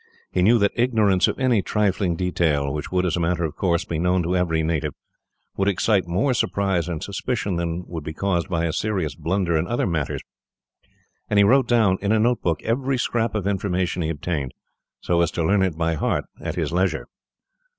He knew that ignorance of any trifling detail which would, as a matter of course, be known to every native, would excite more surprise and suspicion than would be caused by a serious blunder in other matters; and he wrote down, in a notebook, every scrap of information he obtained, so as to learn it by heart at his leisure.